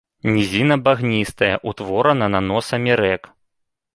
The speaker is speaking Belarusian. Нізіна багністая, утворана наносамі рэк.